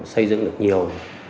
xây dựng được nhiều